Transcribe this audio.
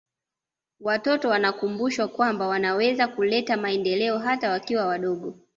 watoto wanakumbushwa kwamba wanaweza kuleta maendeleo hata wakiwa wadogo